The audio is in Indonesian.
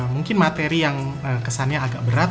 mungkin materi yang kesannya agak berat